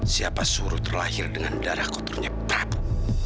siapa suruh terlahir dengan darah kotornya prabu